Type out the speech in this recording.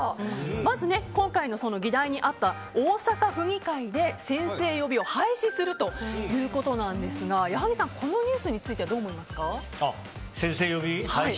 まず今回の議題にあった大阪府議会で先生呼びを廃止するということですが矢作さん、このニュースについてどう思いますか？